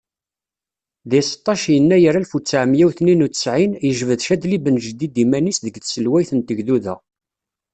Deg seṭṭac Yennayer alef u ttɛemya u tniyen u ttɛin, yejbed Cadli Ben Jdid iman-is deg tselwayt n tegduda.